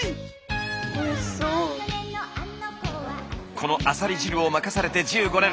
このアサリ汁を任されて１５年。